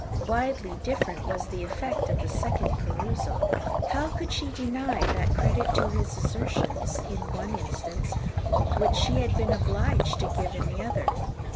Widely different was the effect of a second perusal. How could she deny that credit to his assertions, in one instance, which she had been obliged to give in the other?